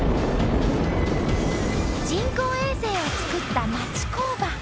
人工衛星を造った町工場。